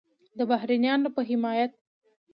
د بهرنیانو په حمایت